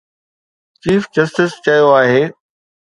Chief justice چيو آهي.